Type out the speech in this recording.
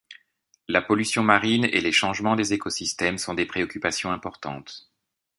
La pollution marine et les changements des écosystèmes sont des préoccupations importantes.